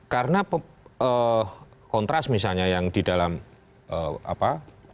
karena kontras misalnya yang di dalam apa